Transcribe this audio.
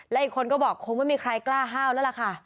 และอีกคนก็บอกคงไม่มีใครกล้าห้าวแล้วล่ะค่ะ